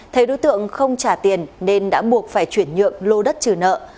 thấy đối tượng không trả tiền nên đã buộc phải chuyển nhượng lô đất trừ nợ